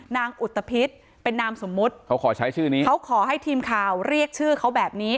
นางอุตภิษเป็นนามสมมุติเขาขอใช้ชื่อนี้เขาขอให้ทีมข่าวเรียกชื่อเขาแบบนี้